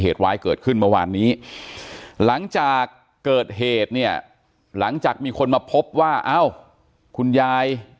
เหตุร้ายเกิดขึ้นเมื่อวานนี้หลังจากเกิดเหตุเนี่ยหลังจากมีคนมาพบว่าเอ้าคุณยาย